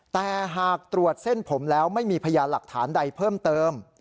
แต่หากตรวจเส้นผมแล้วไม่มีพยานหลักฐานใดเพิ่มเติม